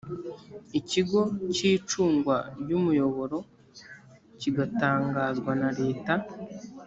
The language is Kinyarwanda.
ikigo kicungwa ry umuyoboro kigatangazwa na leta